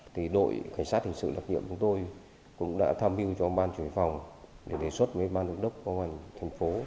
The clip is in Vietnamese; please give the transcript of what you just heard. thì đội cảnh sát hình sự đặc nhiệm chúng tôi cũng đã tham hiu cho ban chủ yếu phòng để đề xuất với ban giám đốc công an thành phố